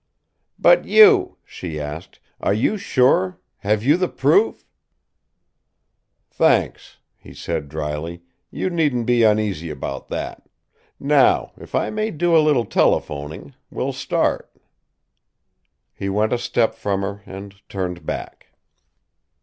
"But you," she asked; "are you sure have you the proof?" "Thanks," he said drily. "You needn't be uneasy about that. Now, if I may do a little telephoning, we'll start." He went a step from her and turned back.